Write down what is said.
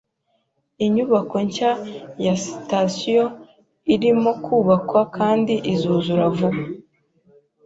Inyubako nshya ya sitasiyo irimo kubakwa kandi izuzura vuba.